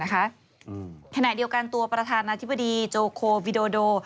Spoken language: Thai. ขณะเดียวกันตัวประธานาธิบดีโจโคบิโดโด